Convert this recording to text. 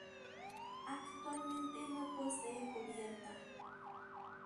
Actualmente no posee cubierta.